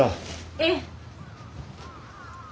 ええ。